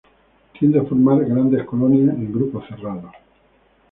Tiende a formar grandes colonias, en grupos cerrados.